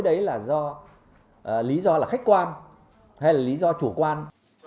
đấy là do lý do là khách quan hay là lý do chủ quan